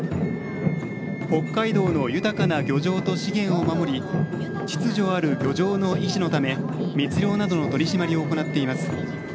北海道の豊かな漁場と資源を守り秩序ある漁場の維持のため密漁などの取り締まりを行っています。